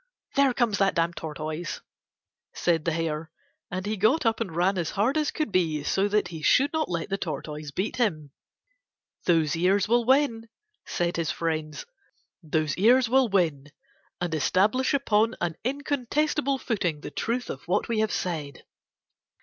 "There comes that damned Tortoise," said the Hare, and he got up and ran as hard as could be so that he should not let the Tortoise beat him. "Those ears will win," said his friends. "Those ears will win; and establish upon an incontestable footing the truth of what we have said."